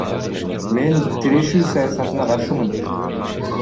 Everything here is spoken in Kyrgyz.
Мен тирешүү саясатына каршымын.